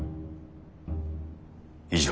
以上。